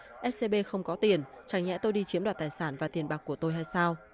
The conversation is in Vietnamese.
bị cáo nói scb không có tiền chẳng nhẽ tôi đi chiếm đoạt tài sản và tiền bạc của tôi hay sao